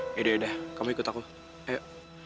yaudah udah kamu ikut aku ayo